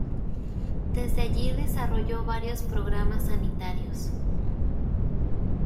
Desde allí desarrolló varios programas sanitarios.